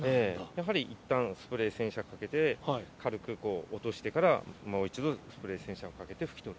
やはり一回スプレー洗車かけて、軽くこう、落としてから、もう一度スプレー洗車をかけて拭き取る。